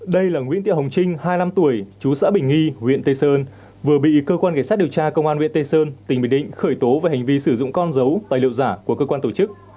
đây là nguyễn tị hồng trinh hai mươi năm tuổi chú xã bình nghi huyện tây sơn vừa bị cơ quan cảnh sát điều tra công an huyện tây sơn tỉnh bình định khởi tố về hành vi sử dụng con dấu tài liệu giả của cơ quan tổ chức